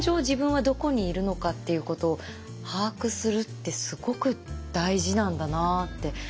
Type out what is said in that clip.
自分はどこにいるのかっていうことを把握するってすごく大事なんだなあって。